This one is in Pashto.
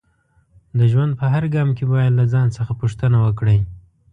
د ژوند په هر ګام کې باید له ځان څخه پوښتنه وکړئ